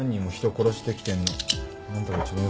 殺してきてるて。